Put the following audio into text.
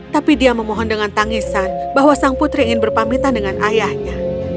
tapi dia memohon dengan tangisan bahwa sang putri ingin berpamitan dengan ayahnya